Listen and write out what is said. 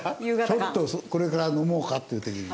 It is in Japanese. ちょっとこれから飲もうかっていう時に。